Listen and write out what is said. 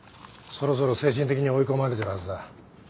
そろそろ精神的に追い込まれてるはずだ。